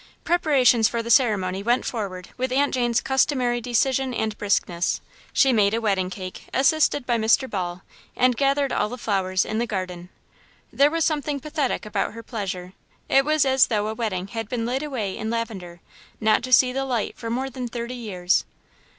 Preparations for the ceremony went forward with Aunt Jane's customary decision and briskness. She made a wedding cake, assisted by Mr. Ball, and gathered all the flowers in the garden. There was something pathetic about her pleasure; it was as though a wedding had been laid away in lavender, not to see the light for more than thirty years.